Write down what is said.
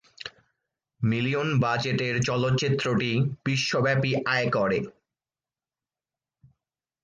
Million বাজেটের চলচ্চিত্রটি বিশ্বব্যাপী আয় করে।